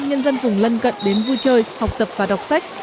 nhân dân vùng lân cận đến vui chơi học tập và đọc sách